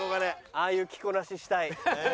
ああいう着こなししたい。